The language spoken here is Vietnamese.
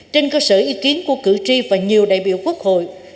trên cơ sở ý kiến của cử tri và nhiều đại biểu quốc hội